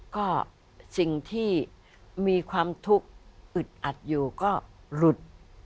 ก็สิ่งที่มีความทุกข์อึดอัดอยู่ก็หลุด